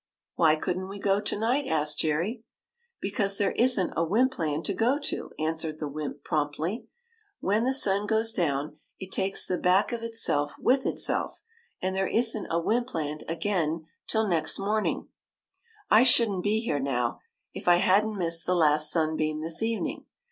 '* ''Why couldn't we go to night?" asked Jerry. '' Because there is n't a Wympland to go to,'' answered the wymp, promptly. " When the sun goes down it takes the back of itself with itself, and there is n't a Wympland again' till WENT TO THE MOON 177 next morning. I should n't be here now, if I had n't missed the last sunbeam this evening.